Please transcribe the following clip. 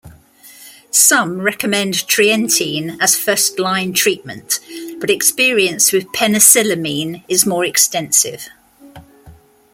Some recommend trientine as first-line treatment, but experience with penicillamine is more extensive.